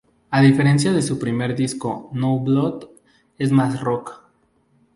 A diferencia de su primer disco "No Blood" es más Rock.